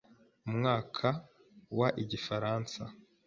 Umwaka wa n’Igifaransa